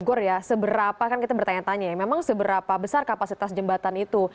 bogor ya seberapa kan kita bertanya tanya ya memang seberapa besar kapasitas jembatan itu